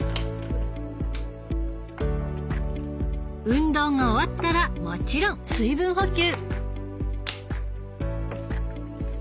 運動が終わったらもちろん水分補給。